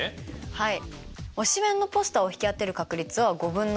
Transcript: はい。